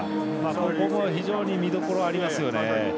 ここも非常に見どころありますよね。